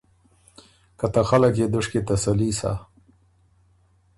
که ته خلق يې دشکی تسلي سَۀ۔